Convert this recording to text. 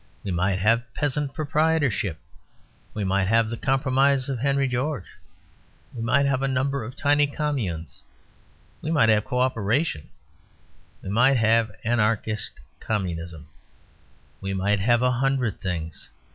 We might have peasant proprietorship; we might have the compromise of Henry George; we might have a number of tiny communes; we might have co operation; we might have Anarchist Communism; we might have a hundred things.